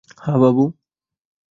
হ্যাঁ, বাবু।